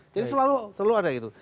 jadi selalu ada gitu